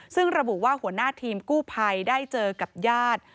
ซึ่งระบุว่าหัวหน้าทีมกู้ภัยได้เจอกับญาติ